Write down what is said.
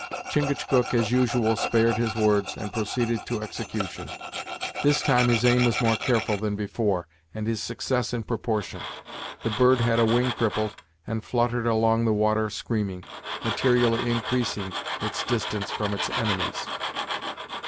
Chingachgook, as usual, spared his words, and proceeded to execution. This time his aim was more careful than before, and his success in proportion. The bird had a wing crippled, and fluttered along the water screaming, materially increasing its distance from its enemies.